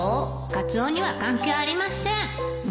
カツオには関係ありません